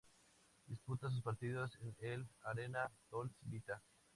Disputa sus partidos en el "Arena Dolce Vita".